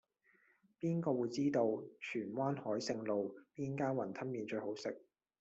邊個會知道荃灣海盛路邊間雲吞麵最好食